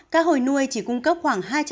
cá hồi nuôi chỉ cung cấp khoảng hai trăm năm mươi